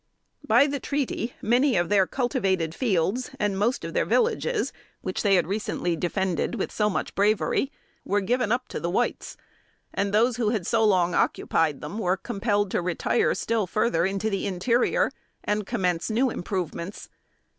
By the treaty, many of their cultivated fields, and most of the villages, which they had recently defended with so much bravery, were given up to the whites, and those who had so long occupied them, were compelled to retire still further into the interior, and commence new improvements.